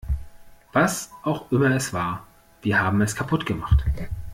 Was auch immer es war, wir haben es kaputt gemacht.